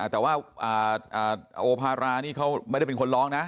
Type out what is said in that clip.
แต่ว่าโอภารานี่เขาไม่ได้เป็นคนร้องนะ